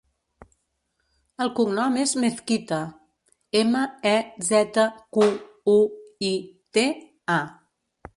El cognom és Mezquita: ema, e, zeta, cu, u, i, te, a.